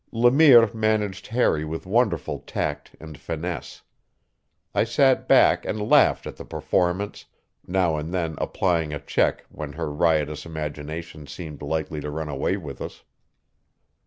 Le Mire managed Harry with wonderful tact and finesse; I sat back and laughed at the performance, now and then applying a check when her riotous imagination seemed likely to run away with us.